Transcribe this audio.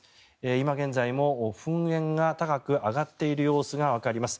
今現在も噴煙が高く上がっている様子がわかります。